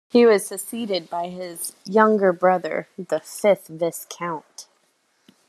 He was succeeded by his younger brother, the fifth viscount.